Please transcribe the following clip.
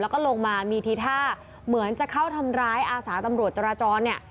แล้วก็ลงมามีทีท่าเหมือนจะเข้าทำร้ายอาสาตำรวจจราจรเนี่ย